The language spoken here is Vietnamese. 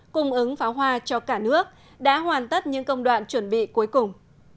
cung ứng pháo hoa cho cả nước đã hoàn tất những công đoạn chuẩn bị cuối cùng